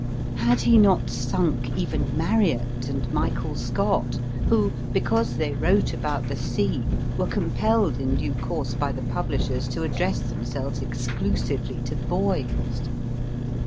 Had he not sunk even Marry at and Michael Scott, who, because they wrote about the sea, were compelled in due course by the publishers to address themselves exclusively to boys